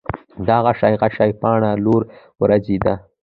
دا غشي غشي باڼه، لورې وروځې دي